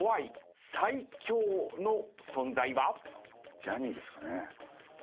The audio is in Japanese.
ジャニーですかね。